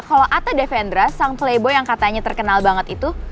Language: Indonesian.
kalau atta devendra sang playbo yang katanya terkenal banget itu